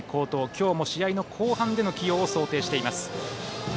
今日も試合の後半での起用を想定しています。